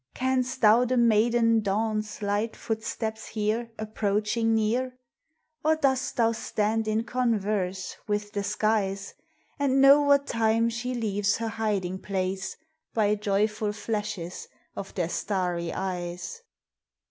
Canst thou the maiden Dawn's light footsteps hear, Approaching near? Or dost thou stand in converse with the skies, And know what time she leaves her hiding place By joyful flashes of their starry eyes?